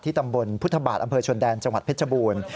ตำบลพุทธบาทอำเภอชนแดนจังหวัดเพชรบูรณ์